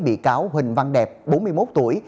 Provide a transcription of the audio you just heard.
bị cáo huỳnh văn đẹp bốn mươi một tuổi